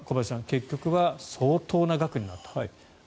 結局は相当な額になったと。